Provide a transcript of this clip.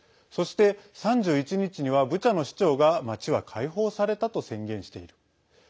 そして、３１日にはブチャの市長が町は解放されたと宣言している。